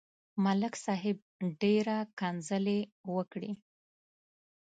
ملک صاحب ډېره کنځلې وکړې.